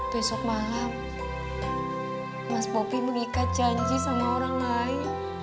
besok malam mas bobi mengikat janji sama orang lain